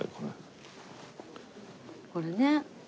これね。